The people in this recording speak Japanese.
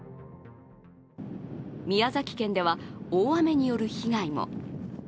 宮崎県では大雨による被害も。